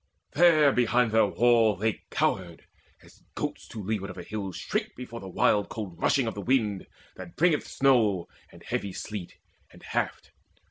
There behind their wall They cowered, as goats to leeward of a hill Shrink from the wild cold rushing of the wind That bringeth snow and heavy sleet and haft.